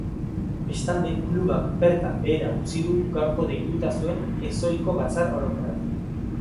Bestalde, klubak bertan behera utzi du gaurko deituta zuen ezohiko batzar orokorra.